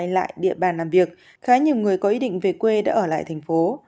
lại địa bàn làm việc khá nhiều người có ý định về quê đã ở lại thành phố